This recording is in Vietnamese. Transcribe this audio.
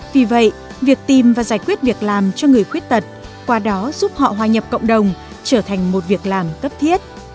vì vậy việc tìm và giải quyết việc làm cho người khuyết tật qua đó giúp họ hòa nhập cộng đồng trở thành một việc làm cấp thiết